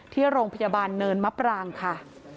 ที่โรงพยาบาลเนินมะปรางค่ะ